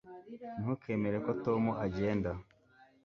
ntukemere ko tom agenda